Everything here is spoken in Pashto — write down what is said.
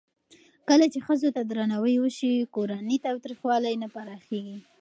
کله چې ښځو ته درناوی وشي، کورنی تاوتریخوالی نه پراخېږي.